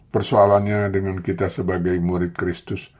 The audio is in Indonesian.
persoalannya dengan kita sebagai murid kristus